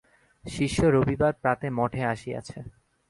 শিষ্য রবিবার প্রাতে মঠে আসিয়াছে।